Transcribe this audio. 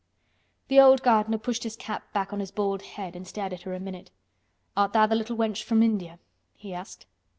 The old gardener pushed his cap back on his bald head and stared at her a minute. "Art tha' th' little wench from India?" he asked.